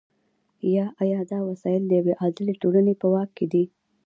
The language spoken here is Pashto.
یا آیا دا وسایل د یوې عادلې ټولنې په واک کې دي؟